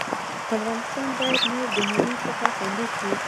افغانستان بايد نور د مينو څخه خوندي سي